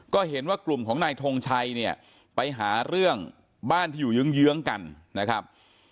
ก็เห็นว่ากลุ่มของนายทงชัยเนี่ยไปหาเรื่องบ้านที่อยู่เยื้องกันนะครับ